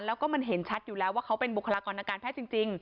แล้วก็มันเห็นชัดอยู่แล้วว่าเขาเป็นบุคลากรทางการแพทย์จริง